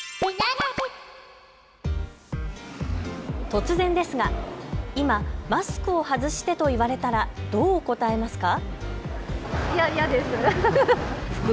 突然ですが今、マスクを外してと言われたらどう答えますか。